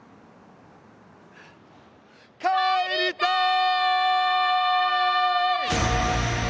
帰りたい！